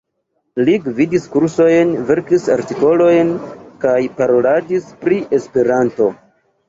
Li gvidis kursojn, verkis artikolojn kaj paroladis pri Esperanto.